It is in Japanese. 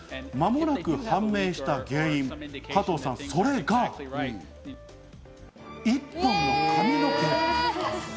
間もなく判明した原因、加藤さん、それが１本の髪の毛。